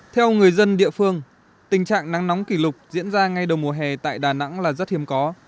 theo người dân địa phương tình trạng nắng nóng kỷ lục diễn ra ngay đầu mùa hè tại đà nẵng là rất hiếm có